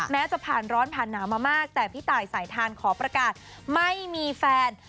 จะผ่านร้อนผ่านหนาวมามากแต่พี่ตายสายทานขอประกาศไม่มีแฟน